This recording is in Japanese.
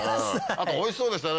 あとおいしそうでしたね。